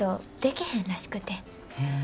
へえ。